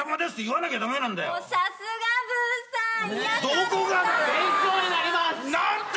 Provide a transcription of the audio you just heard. どこがだよ？